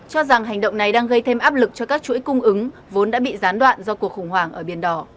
cho rằng hành động này đang gây thêm áp lực cho các chuỗi cung ứng vốn đã bị gián đoạn do cuộc khủng hoảng ở biển đỏ